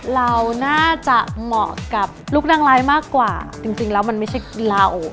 เราน่าจะเหมาะกับลูกนางร้ายมากกว่าจริงแล้วมันไม่ใช่เรา